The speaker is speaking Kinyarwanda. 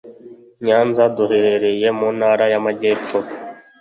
Nyanza duherereye mu Ntara y Amajyepfo